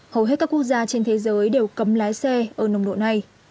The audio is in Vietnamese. hầu hết các quốc gia trên thế giới đều cấm lái xe ở nồng độ này